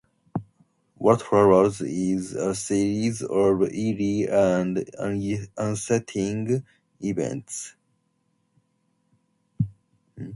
What follows is a series of eerie and unsettling events.